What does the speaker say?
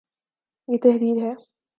یہ تحریر ہے